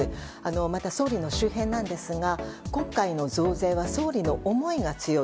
また、総理の周辺ですが今回の増税は総理の思いが強い。